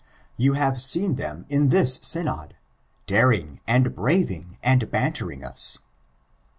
You have seen them in this Syno<]L daring, and braving, and bantering us.